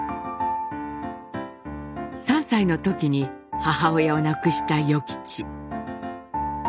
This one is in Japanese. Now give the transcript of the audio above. ３歳の時に母親を亡くした与吉。